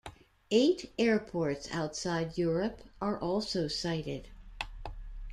Eight airports outside Europe are also cited.